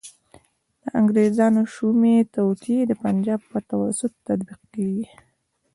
د انګریزانو شومي توطیې د پنجاب په توسط تطبیق کیږي.